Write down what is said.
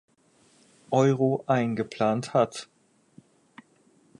Euro eingeplant hat.